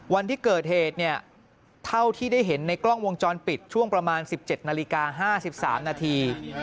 วันที่เกิดเหตุเนี่ยเท่าที่ได้เห็นในกล้องวงจรปิดช่วงประมาณ๑๗นาฬิกา๕๓นาที